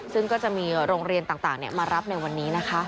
ซึ่งก็จะมีโรงเรียนต่างมารับในวันนี้นะคะ